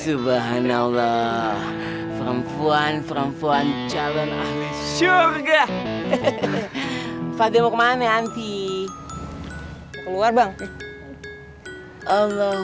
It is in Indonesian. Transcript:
subhanallah perempuan perempuan calon syurga fadil kemana nanti keluar bang allah